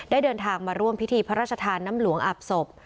เดินทางมาร่วมพิธีพระราชทานน้ำหลวงอาบศพ